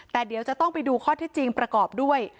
แต่เดี๋ยวจะต้องไปดูข้อที่จริงประกอบด้วย